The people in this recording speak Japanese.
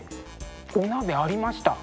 お鍋ありました。